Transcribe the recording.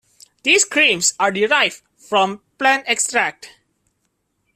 These creams are derived from plant extract.